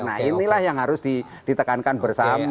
nah inilah yang harus ditekankan bersama